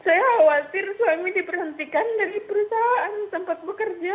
saya khawatir suami diperhentikan dari perusahaan tempat bekerja